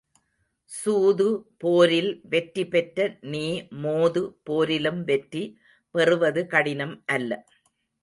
சூது போரில் வெற்றி பெற்ற நீ மோது போரிலும் வெற்றி பெறுவது கடினம் அல்ல.